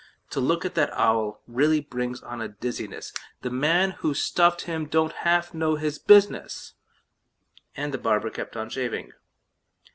To look at that owl really brings on a dizziness; The man who stuffed him don't half know his business!" And the barber kept on shaving.